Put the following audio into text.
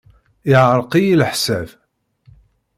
Yeɛreq-iyi leḥsab.